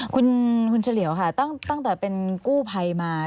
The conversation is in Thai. คุณเฉลี่ยวค่ะตั้งแต่เป็นกู้ภัยมา